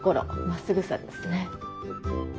真っすぐさですね。